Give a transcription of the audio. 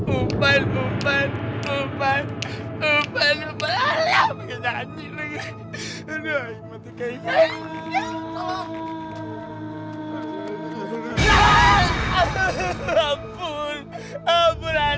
upan umpan umpan umpan umpan umpan